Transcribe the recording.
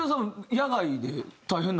野外で大変な事が？